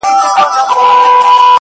هسې سترگي پـټـي دي ويــــده نــه ده؛